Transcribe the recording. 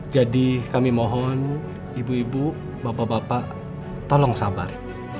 jadi kami mohon ibu ibu bapak bapak tolong sabar